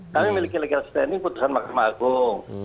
kami memiliki legal standing putusan mahkamah agung